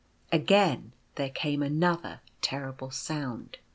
Again there came another terrible sound.